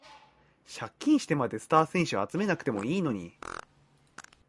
借金してまでスター選手集めなくてもいいのに